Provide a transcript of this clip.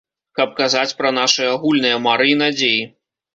Каб казаць пра нашы агульныя мары і надзеі.